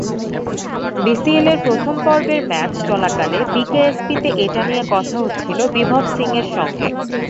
বিসিএলের প্রথম পর্বের ম্যাচ চলাকালে বিকেএসপিতে এটা নিয়ে কথা হচ্ছিল বিভব সিংয়ের সঙ্গে।